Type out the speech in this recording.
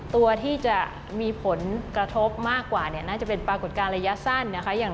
ตัวที่จะมีผลกระทบมากกว่าเนี่ยน่าจะเป็นปรากฏการณ์ระยะสั้นนะคะ